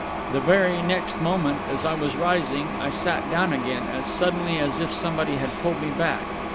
The very next moment, as I was rising, I sat down again as suddenly as if somebody had pulled me back.